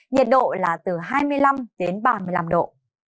nhiệt độ là từ hai mươi năm đến ba mươi năm độ